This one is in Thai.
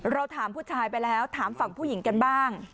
เราถามผู้ชายไปแล้วถามฝั่งผู้หญิงกันบ้าง